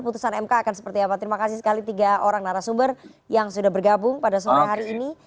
putusan mk akan seperti apa terima kasih sekali tiga orang narasumber yang sudah bergabung pada sore hari ini